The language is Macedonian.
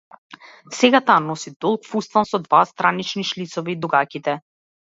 Сега таа носи долг фустан со два странични шлицови до гаќите.